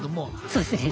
そうですね